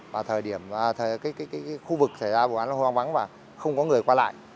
và thời điểm cái khu vực xảy ra bộ án là hoang vắng và không có người qua lại